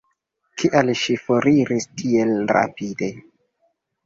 Kial ŝi foriris tiel rapide?